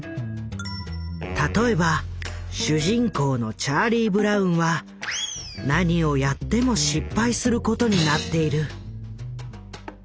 例えば主人公のチャーリー・ブラウンは何をやっても失敗することになっている。